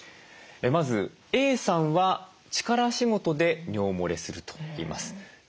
まずＡさんは力仕事で尿もれするといいます。